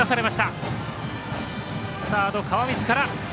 サード川満から。